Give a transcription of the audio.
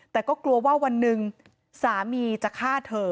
แต่ก็กลัวว่าวันหนึ่งสามีจะฆ่าเธอ